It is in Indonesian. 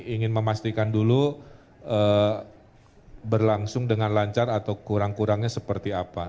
ingin memastikan dulu berlangsung dengan lancar atau kurang kurangnya seperti apa